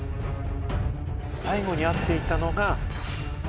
最後に会っていたのが。